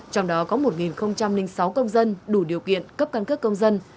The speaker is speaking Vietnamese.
trong đó có một sáu công dân đủ điều kiện cấp căn cước công dân